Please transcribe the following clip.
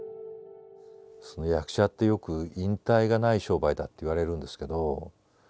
役者ってよく引退がない商売だっていわれるんですけど